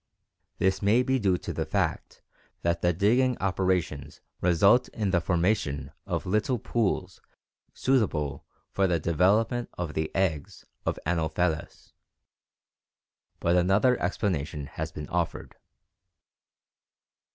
This may be due to the fact that the digging operations result in the formation of little pools suitable for the development of the eggs of Anopheles, but another explanation has been offered.